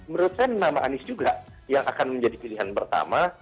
menurut saya nama anies juga yang akan menjadi pilihan pertama